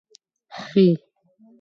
خ